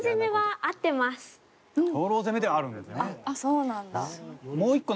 あっそうなんだ。